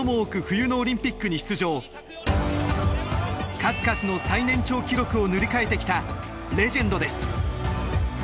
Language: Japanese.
数々の最年長記録を塗り替えてきたレジェンドです。